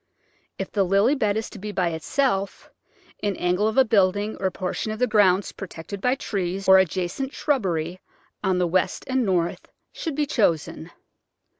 If the Lily bed is to be by itself an angle of a building, or a portion of the grounds protected by trees, or adjacent shrubbery, on the west and north, should be chosen.